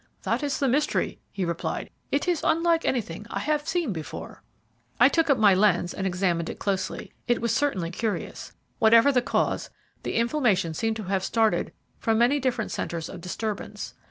"That is the mystery," he replied; "it is unlike anything I have seen before." I took up my lens and examined it closely. It was certainly curious. Whatever the cause, the inflammation seemed to have started from many different centres of disturbance.